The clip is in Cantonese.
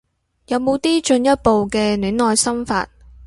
有冇啲進一步嘅戀愛心法